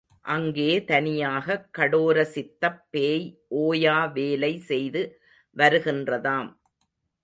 அங்கே தனியாகக் கடோரசித்தப் பேய் ஓயா வேலை செய்து வருகின்றதாம்.